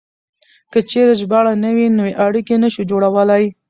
که چېرې ژباړه نه وي نو اړيکې نه شو جوړولای.